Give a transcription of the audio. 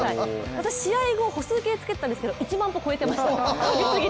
私、試合後、歩数計つけていたんですけど、１万歩超えていました。